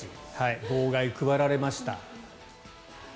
号外が配られました。